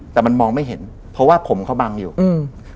แต่มันมองไม่เห็นเพราะว่าผมเขาบังอยู่อืม